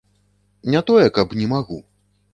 Не тое, каб не магу.